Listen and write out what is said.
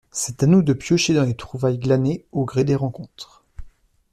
C’est à nous de piocher dans les trouvailles glanées au gré des rencontres.